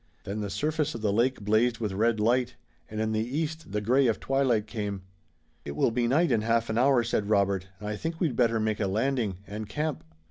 Then the surface of the lake blazed with red light, and in the east the gray of twilight came. "It will be night in half an hour," said Robert, "and I think we'd better make a landing, and camp."